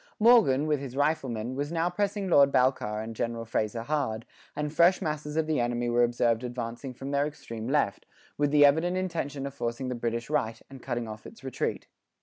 Morgan, with his riflemen, was now pressing Lord Balcarres and General Fraser hard, and fresh masses of the enemy were observed advancing from their extreme left, with the evident intention of forcing the British right, and cutting off its retreat.